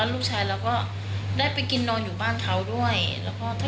ลูกสะไพรก็บอกว่า